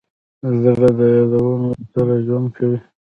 زړه د یادونو سره ژوند کوي.